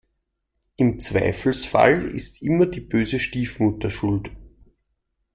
Im Zweifelsfall ist immer die böse Stiefmutter schuld.